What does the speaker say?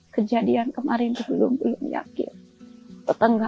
kejadian kemarin belum yakin